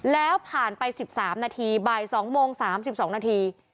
แล้วผ่านไป๑๓นาทีบ่าย๒โมง๓๒นาที